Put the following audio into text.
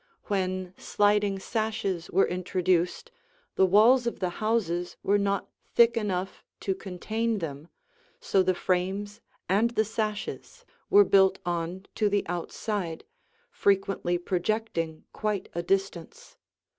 When sliding sashes were introduced, the walls of the houses were not thick enough to contain them, so the frames and the sashes were built on to the outside, frequently projecting quite a distance.